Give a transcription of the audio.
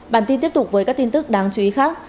bản tin tiếp tục với các tin tức đáng chú ý khác